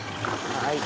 はい。